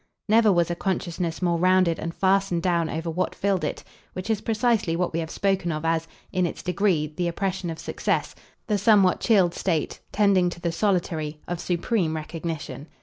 Never was a consciousness more rounded and fastened down over what filled it; which is precisely what we have spoken of as, in its degree, the oppression of success, the somewhat chilled state tending to the solitary of supreme recognition.